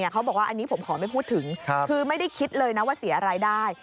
คือไม่ได้คิดเลยว่าเสียรายได้